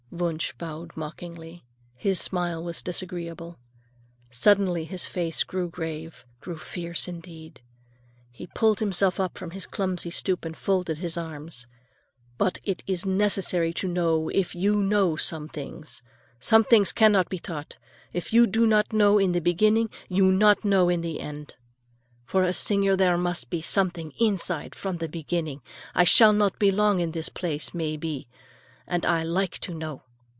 Wunsch bowed mockingly; his smile was disagreeable. Suddenly his face grew grave, grew fierce, indeed. He pulled himself up from his clumsy stoop and folded his arms. "But it is necessary to know if you know some things. Some things cannot be taught. If you not know in the beginning, you not know in the end. For a singer there must be something in the inside from the beginning. I shall not be long in this place, may be, and I like to know.